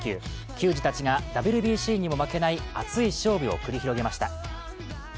球児たちがＷＢＣにも負けない熱い勝負を繰り広げました。